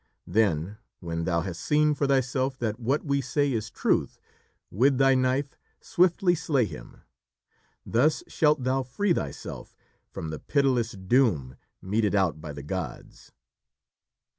Then, when thou hast seen for thyself that what we say is truth, with thy knife swiftly slay him. Thus shalt thou free thyself from the pitiless doom meted out by the gods."